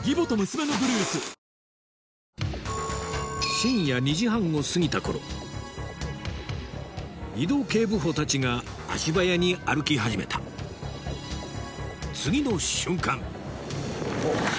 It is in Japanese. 深夜２時半を過ぎた頃井戸警部補たちが足早に歩き始めた次の瞬間！